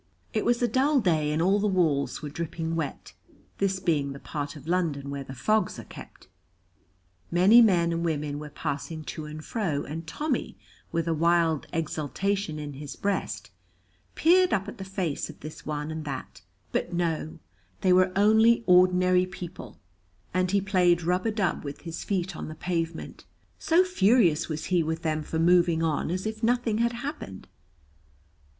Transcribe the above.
It was a dull day, and all the walls were dripping wet, this being the part of London where the fogs are kept. Many men and women were passing to and fro, and Tommy, with a wild exultation in his breast, peered up at the face of this one and that; but no, they were only ordinary people, and he played rub a dub with his feet on the pavement, so furious was he with them for moving on as if nothing had happened.